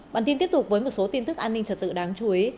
bản tin tiếp tục với một số tin tức an ninh trật tự đáng chú ý